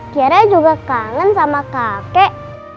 kiara juga kangen sama kakek